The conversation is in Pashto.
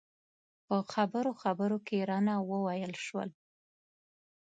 په خبرو خبرو کې رانه وویل شول.